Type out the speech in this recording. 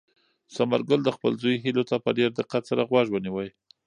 ثمرګل د خپل زوی هیلو ته په ډېر دقت سره غوږ ونیو.